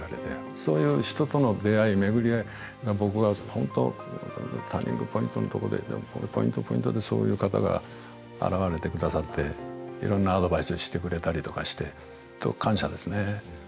そういう人との出会い、巡り合いが僕は本当、ターニングポイントのところで、よくポイントポイントでそういう方が現れてくださって、いろんなアドバイスしてくれたりして、感謝ですね。